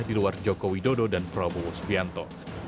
di luar joko widodo dan prabowo subianto